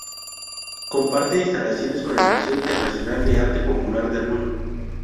Comparte instalaciones con el Museo Internacional de Arte Popular del Mundo.